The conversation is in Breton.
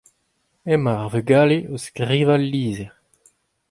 emañ ar vugale o skrivañ ul lizher.